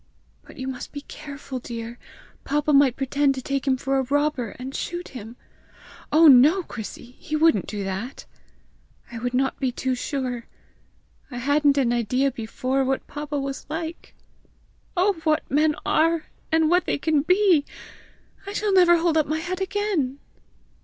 "But you must be careful, dear! Papa might pretend to take him for a robber, and shoot him!" "Oh, no, Chrissy! He wouldn't do that!" "I would not be too sure! I hadn't an idea before what papa was like! Oh what men are, and what they can be! I shall never hold up my head again!"